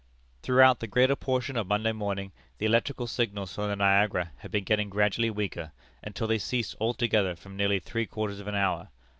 "Throughout the greater portion of Monday morning the electrical signals from the Niagara had been getting gradually weaker, until they ceased altogether for nearly three quarters of an hour.